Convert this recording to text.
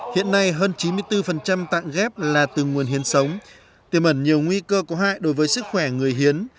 hiện nay hơn chín mươi bốn tạng ghép là từ nguồn hiến sống tiềm ẩn nhiều nguy cơ có hại đối với sức khỏe người hiến